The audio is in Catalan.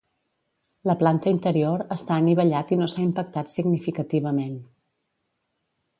La planta interior està anivellat i no s'ha impactat significativament.